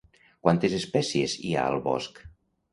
Quantes espècies hi ha al bosc?